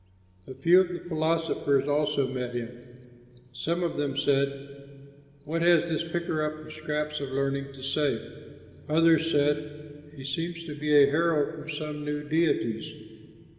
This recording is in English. A few of the philosophers also met him. Some of them said, "What has this picker up of scraps of learning to say?" Others said, "He seems to be a herald of some new deities."